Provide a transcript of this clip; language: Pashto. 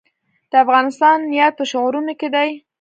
د افغانستان یاد په شعرونو کې دی